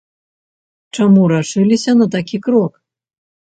Чаму рашыліся на такі крок?